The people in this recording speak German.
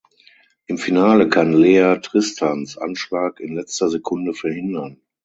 Im Finale kann Lea Tristans Anschlag in letzter Sekunde verhindern.